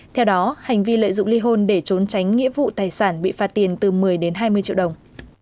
theo đó hành vi lợi dụng ly hôn để trốn tránh nghĩa vụ tài sản bị phạt tiền từ một mươi đến hai mươi triệu đồng